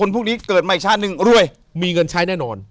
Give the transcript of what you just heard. พวกนี้เกิดมาอีกชาติหนึ่งรวย